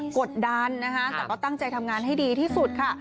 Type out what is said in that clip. กดดันนะคะแต่ก็ตั้งใจทำงานให้ดีที่สุดค่ะ